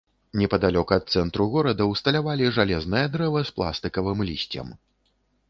Непадалёк ад цэнтру горада ўсталявалі жалезнае дрэва з пластыкавым лісцем.